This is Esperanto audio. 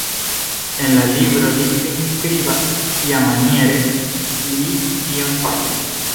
En la libro li priskribas, kiamaniere li tion faris.